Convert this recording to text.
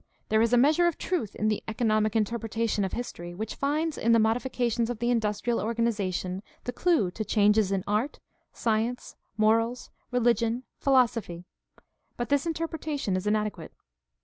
There is a measure of truth in the "economic inter pretation of history," which finds in the modifications of the industrial organization the clue to changes in art, science, morals, religion, philosophy; but this interpretation is inade quate.